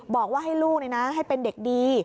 บอกว่าให้ลูกให้เป็นเด็กดี